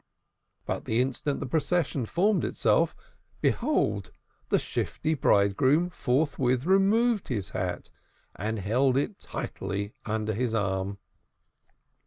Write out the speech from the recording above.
But the instant the procession formed itself, behold the shifty bridegroom forthwith removed his hat, and held it tightly under his arm.